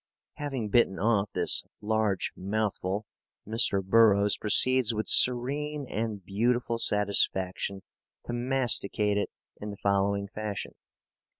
Having bitten off this large mouthful, Mr. Burroughs proceeds with serene and beautiful satisfaction to masticate it in the following fashion.